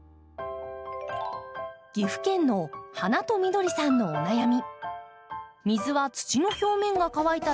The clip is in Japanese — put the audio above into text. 岐阜県のはなとみどりさんのお悩み。